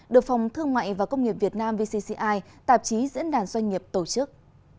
được phòng thương mại và công nghiệp việt nam vcci tạp chí diễn đàn doanh nghiệp tổ chức